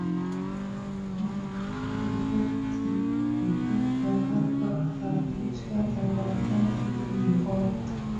nikiripoti kutoka hapa arusha tanzania mimi ni rod